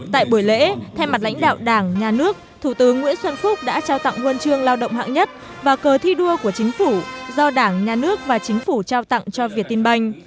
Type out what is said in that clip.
tại buổi lễ thay mặt lãnh đạo đảng nhà nước thủ tướng nguyễn xuân phúc đã trao tặng huân chương lao động hạng nhất và cờ thi đua của chính phủ do đảng nhà nước và chính phủ trao tặng cho việt tinh banh